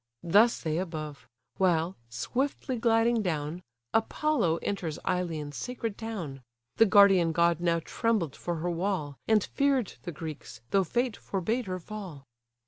Thus they above: while, swiftly gliding down, Apollo enters Ilion's sacred town; The guardian god now trembled for her wall, And fear'd the Greeks, though fate forbade her fall.